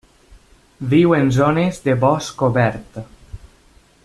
Viu en zones de bosc obert.